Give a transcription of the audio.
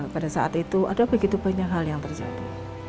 pada saat itu ada begitu banyak hal yang terjadi